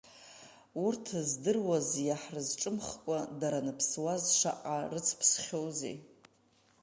Урҭ здыруаз иаҳзырҿымхкәа, дара аныԥсуаз шаҟа рыцԥсхьоузеи?